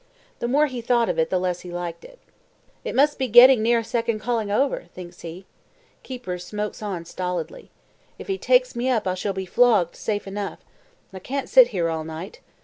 The more he thought of it the less he liked it. "It must be getting near second calling over," thinks he. Keeper smokes on stolidly. "If he takes me up, I shall be flogged safe enough. I can't sit here all night.